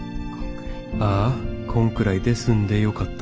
あぁこんくらいで済んでよかった